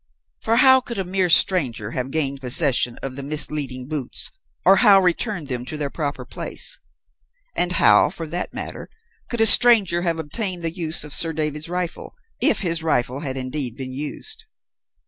For how could a mere stranger have gained possession of the misleading boots, or how returned them to their proper place? And how, for that matter, could a stranger have obtained the use of Sir David's rifle, if his rifle had indeed been used?